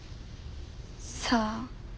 さあ。